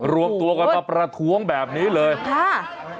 รวมตัวกันมาประท้วงแบบนี้เลยค่ะ